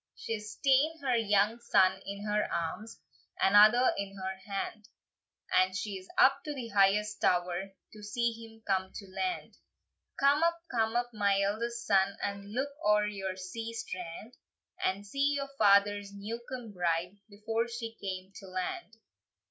She's taen her young son in her arms, Another in her hand, And she's up to the highest tower, To see him come to land. "Come up, come up, my eldest son, And look oer yon sea strand, And see your father's new come bride, Before she come to land."